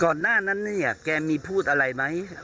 ก่อนหน้านั้นเนี่ยแกพูดอะไรไหม